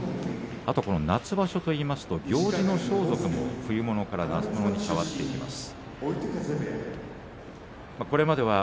夏場所といいますと行司の装束も冬物から夏物に替わっていきます。